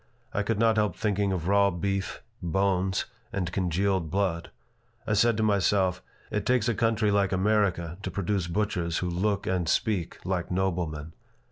I could not help thinking of raw beef, bones, and congealed blood. I said to myself, "It takes a country like America to produce butchers who look and speak like noblemen."